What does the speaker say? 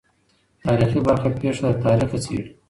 تاریخي برخه پېښه له تاریخه څېړي.